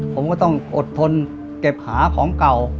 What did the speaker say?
ผมก็ต้องอดทนเก็บหาของเก่า